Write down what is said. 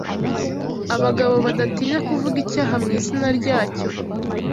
abagabo badatinya kuvuga icyaha mu izina ryacyo